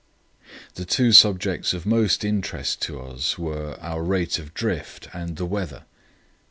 The two subjects of most interest to us were our rate of drift and the weather.